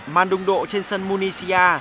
màn đụng độ trên sân municia